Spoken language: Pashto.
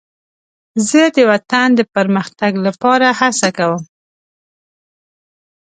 زه د وطن د پرمختګ لپاره هڅه کوم.